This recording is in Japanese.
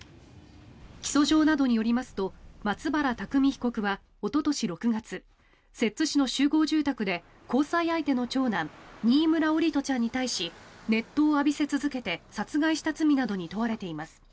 起訴状などによりますと松原拓海被告はおととし６月摂津市の集合住宅で交際相手の長男新村桜利斗ちゃんに対し熱湯を浴びせ続けて殺害した罪などに問われています。